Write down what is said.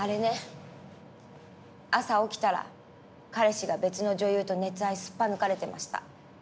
朝起きたら彼氏が別の女優と熱愛すっぱ抜かれてました。